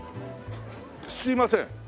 すいません。